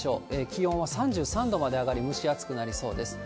気温は３３度まで上がり、蒸し暑くなりそうです。